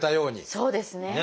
そうですね。